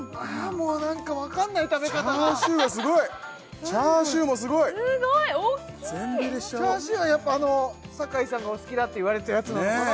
もうなんかわかんない食べ方がチャーシューがすごいチャーシューもすごい全部入れしちゃおうチャーシューはやっぱあの堺さんがお好きだっていわれてたやつなのかな